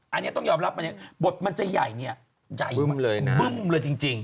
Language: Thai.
อันนี้ต้องยอมรับบทมันจะใหญ่ใหญ่มากบึ้มเลยจริง